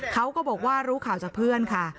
เขาก็บอกว่ารู้ข่าวจากเพื่อนค่ะ